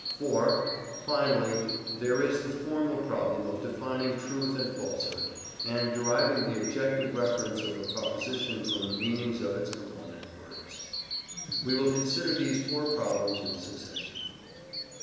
IV. Finally, there is the formal problem of defining truth and falsehood, and deriving the objective reference of a proposition from the meanings of its component words. We will consider these four problems in succession.